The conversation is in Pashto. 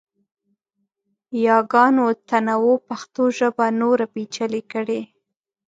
یاګانو تنوع پښتو ژبه نوره پیچلې کړې.